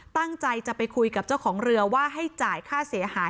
ตั้งใจจะไปคุยกับเจ้าของเรือว่าให้จ่ายค่าเสียหาย